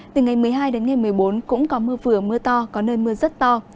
từ ngày một mươi hai đến ngày một mươi bốn cũng có mưa vừa mưa to có nơi mưa rất to